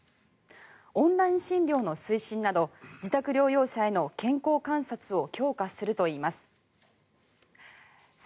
オンライン診療の推進など自宅療養者への健康観察を強化するといいます。